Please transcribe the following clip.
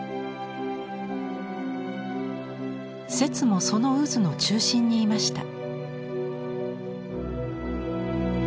摂もその渦の中心にいました。